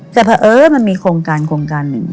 แต่พอเออมันมีโครงการหนึ่ง